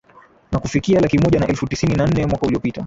na kufikia laki moja na elfu tisini na nne mwaka uliopita